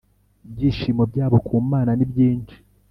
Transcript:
ibyishimo byabo ku mana ni byinshi